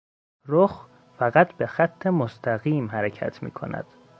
رخ فقط به خط مستقیم حرکت میکند.